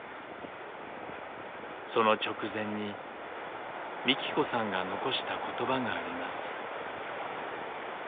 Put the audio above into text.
その直前にみき子さんが残した言葉があります。